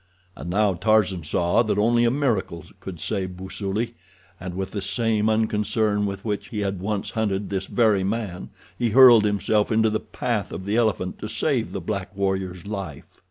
And now Tarzan saw that only a miracle could save Busuli, and with the same unconcern with which he had once hunted this very man he hurled himself into the path of the elephant to save the black warrior's life.